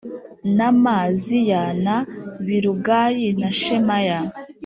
na M ziya na Bilugayi na Shemaya